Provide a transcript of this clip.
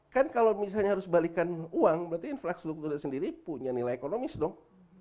kan kalau misalnya harus balikan uang berarti infrastrukturnya sendiri punya nilai ekonomis dong